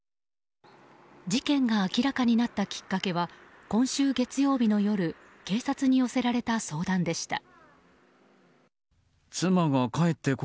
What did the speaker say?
事件が明らかになったきっかけは今週月曜の夜に警察に寄せられた相談でした。